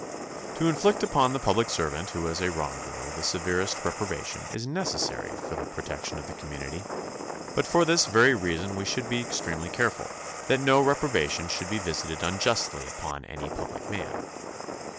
To inflict upon the public servant who is a wrong doer the severest reprobation is necessary for THE CONSTITUTION AND ITS MAKERS 65 the protection of the community, but for this very reason we should be extremely careful that no reproba tion should be visited unjustly upon any public man.